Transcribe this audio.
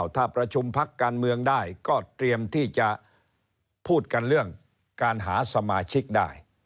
ถ้าประชุมพักการเมืองได้ก็เตรียมที่จะพูดกันเรื่องการหาสมาชิกได้